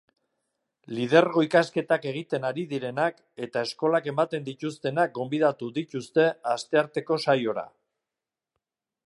Lidergo ikasketak egiten ari direnak eta eskolak ematen dituztenak gonbidatu dituzte astearteko saiora.